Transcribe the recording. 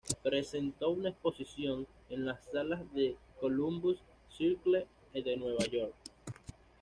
Presentó una exposición en las salas del Columbus Circle de Nueva York.